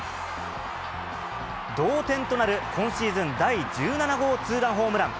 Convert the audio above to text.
同点となる今シーズン第１７号ツーランホームラン。